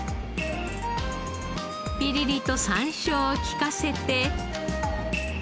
ピリリとさんしょうを利かせて。